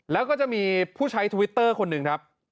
แล้วก็จะมีผู้ใช้ทวิตเตอร์คนหนึ่งครับ